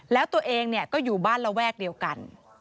แล้วตัวเองก็อยู่บ้านระแวกเดียวกัน